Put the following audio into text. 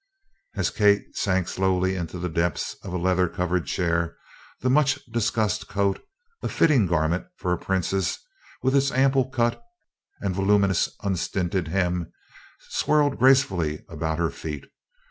As Kate sank slowly into the depths of a leather covered chair, the much discussed coat, a fitting garment for a princess, with its ample cut and voluminous unstinted hem, swirled gracefully about her feet.